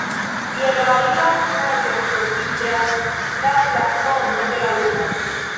Je la alia finaĵo troviĝas la blazono de la urbo.